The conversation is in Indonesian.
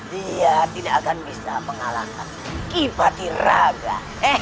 dia tidak akan bisa mengalahkan kipati raga